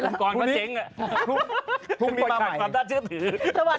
อำนวยภรรยาครมก้อนเจ๊ง